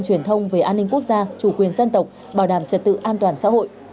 truyền thông về an ninh quốc gia chủ quyền dân tộc bảo đảm trật tự an toàn xã hội